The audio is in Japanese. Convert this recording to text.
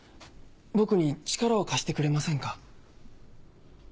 僕に力を貸してくれませんか？